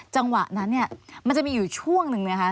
จังหวะนั้นเนี่ยมันจะมีอยู่ช่วงหนึ่งนะคะ